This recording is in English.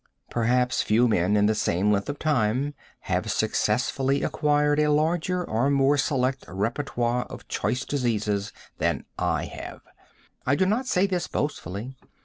Perhaps few men in the same length of time have successfully acquired a larger or more select repertoire of choice diseases than I have. I do not say this boastfully.